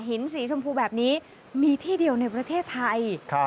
สีชมพูแบบนี้มีที่เดียวในประเทศไทย